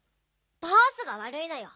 バースがわるいのよ。